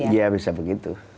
ya bisa begitu